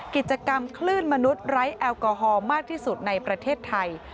กิจกรรมคลื่นมนุษย์ไร้แอลกอฮอล์มากที่สุดในประเทศไทย